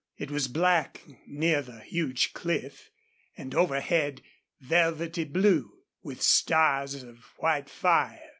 It was black near the huge cliff, and overhead velvety blue, with stars of white fire.